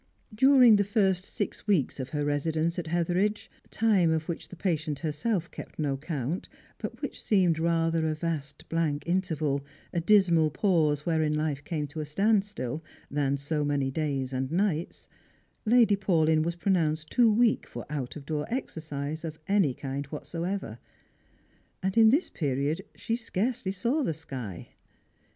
During the first six weelcs of her residence at Hetheridge — time of which the patient herself kept no count, but which seemed rather a vast blank interval, a dismal pause wherein life came to a standstill, than so many days and nights — Lady Paulyn was pronounced too weak for out of door exercise of any kind whatever, and in this period she scarcely saw the sky.